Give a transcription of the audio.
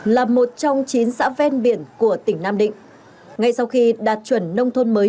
là một trong chín xã ven biển của tỉnh nam định ngay sau khi đạt chuẩn nông thôn mới